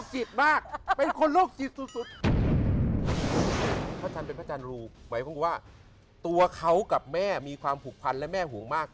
หมายความอยู่ตัวเค้ากับแม่มีความผูกพันและแม่ห่วงมาก